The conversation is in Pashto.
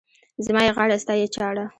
زما يې غاړه، ستا يې چاړه.